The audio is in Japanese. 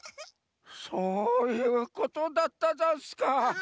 そういうことだったざんすか。